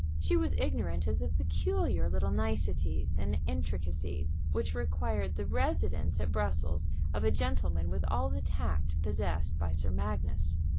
She was ignorant of the peculiar little niceties and intricacies which required the residence at Brussels of a gentleman with all the tact possessed by Sir Magnus.